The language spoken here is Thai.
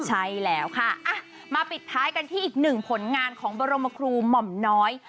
ใช่แล้วค่ะมาปิดท้ายกันที่อีกหนึ่งผลงานของบรมครูหม่อมน้อย